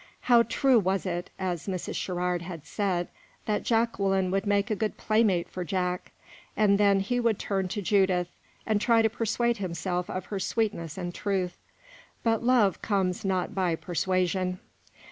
How true was it, as Mrs. Sherrard had said, that Jacqueline would make a good playmate for Jack! And then he would turn to Judith, and try to persuade himself of her sweetness and truth. But love comes not by persuasion.